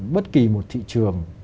bất kỳ một thị trường